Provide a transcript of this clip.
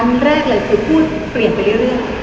อันแรกคือพูดเปลี่ยนไปเรื่อย